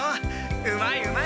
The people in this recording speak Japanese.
うまいうまい！